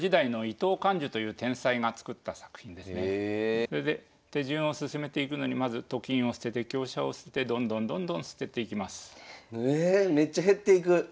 それで手順を進めていくのにまずと金を捨てて香車を捨ててどんどんどんどん捨てていきます。